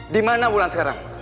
dimana ulan sekarang